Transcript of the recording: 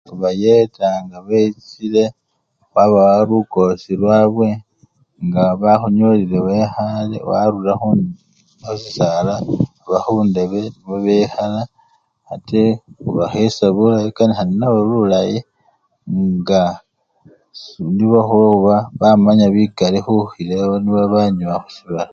Khubayeta nga bechile khwabawa lukosi lwabwe, nga bakhunyolile wekhale warura khusisala oba khundebe nibo bekhala ate ubakhesha bulayi okanikha nenabo bulayi nga su! nibo khuba bamanya bikali khukhila ewe nibo babanyowa khusibala.